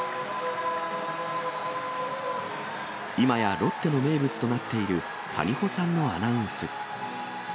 今やロッテの名物となっている谷保さんのアナウンス。